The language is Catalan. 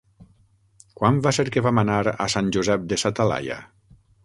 Quan va ser que vam anar a Sant Josep de sa Talaia?